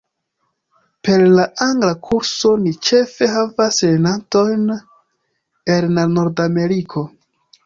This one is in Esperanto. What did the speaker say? Per la angla kurso, ni ĉefe havas lernantojn el Nordameriko.